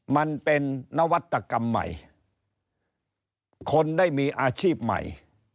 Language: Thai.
มันเป็นนวัตกรรมใหม่คนได้มีอาชีพใหม่